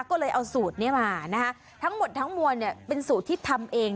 ก็เลยเอาสูตรนี้มานะคะทั้งหมดทั้งมวลเนี่ยเป็นสูตรที่ทำเอง